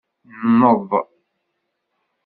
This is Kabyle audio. Nneḍ.